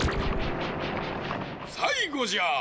さいごじゃ！